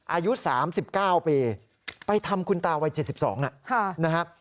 อายุ๓๙ปีไปทำคุณตาวัย๗๒นะครับ